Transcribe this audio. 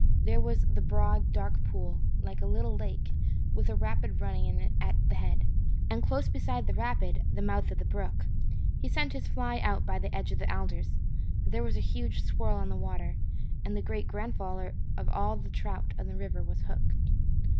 There was the broad, dark pool, like a little lake, with a rapid running in at the head, and close beside the rapid, the mouth of the brook. He sent his fly out by the edge of the alders. There was a huge swirl on the water, and the great grandfather of all the trout in the river was hooked.